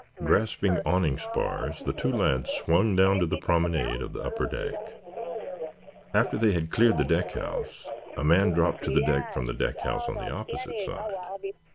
Grasping awning spars the two lads swung down to the promenade of the upper deck. After they had cleared the deck house a man dropped to the deck from the deck house, on the opposite side.